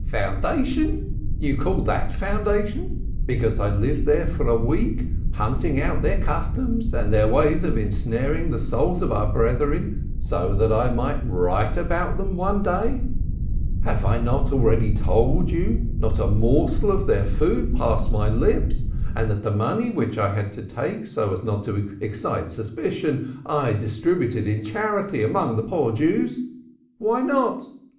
"Foundation! Do you call that foundation because I lived there for a week, hunting out their customs and their ways of ensnaring the souls of our brethren, so that I might write about them one day? Have I not already told you not a morsel of their food passed my lips and that the money which I had to take so as not to excite suspicion I distributed in charity among the poor Jews? Why not?